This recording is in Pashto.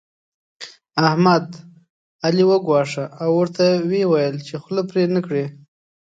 احمد؛ علي وګواښه او ورته ويې ويل چې خوله پرې نه کړې.